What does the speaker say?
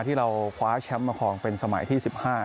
ที่เราคว้าแชมป์มาครองเป็นสมัยที่๑๕